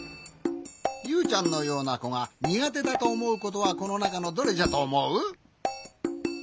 ユウちゃんのようなこがにがてだとおもうことはこのなかのどれじゃとおもう？